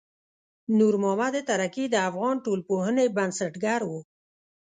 نورمحمد ترکی د افغان ټولنپوهنې بنسټګر و.